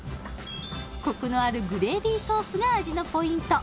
コクのあるグレービーソースが味のポイント